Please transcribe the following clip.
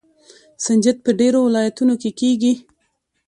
سنجد په ډیرو ولایتونو کې کیږي.